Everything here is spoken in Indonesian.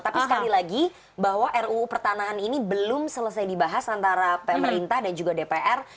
tapi sekali lagi bahwa ruu pertanahan ini belum selesai dibahas antara pemerintah dan juga dpr